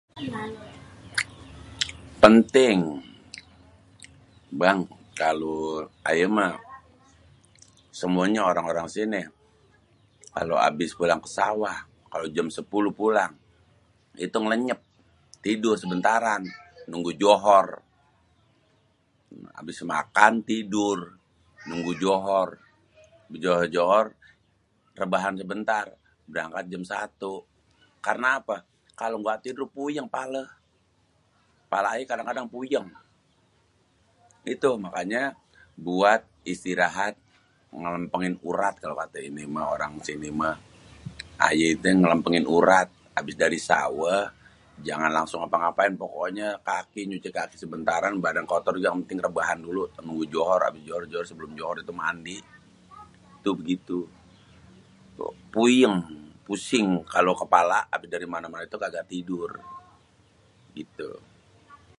Penting. Bang, kalo ayé mah semuényé orang-orang sini kalau abis pulang ke sawah, kalau jém 10 pulang, itu ngélényép tidur sebentaran nunggu Johor. Abis makan tidur nunggu Johor, abis Johor-Johor rebahan sebentar berangkat jem 1. Karena apé?kalau engga tidur puyéng palé. Pala ayé kadang-kadang puyéng. itu mangkanyé buat istirahat ngelempengin urat kalo kate orang sini mah. Ayé itu ngelempengin urat abis dari sawéh jangan langsung ngapa-ngapain pokoknyé nyuci kaki sebentaran, badan kotor juga yang menting rebahan dulu abis Johor, sebelum Johor mandi itu begitu. Puyéng, pusing kalo kepala dari mané-manén tuh kaga tidur gitu.